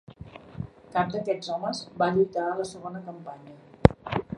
Cap d'aquests homes va lluitar a la segona campanya.